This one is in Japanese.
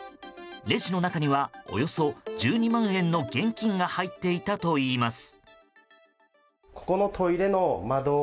レジの中にはおよそ１２万円の現金が入っていたといいます。